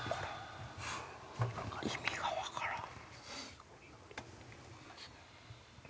意味が分からん。